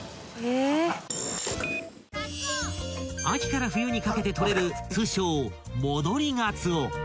［秋から冬にかけて取れる通称］